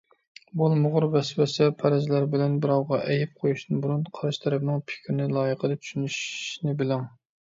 بولمىغۇر ۋەسۋەسە، پەرەزلەر بىلەن بىراۋغا ئەيىب قويۇشتىن بۇرۇن قارشى تەرەپنىڭ پىكرىنى لايىقىدا چۈشىنىشنى بىلىڭ.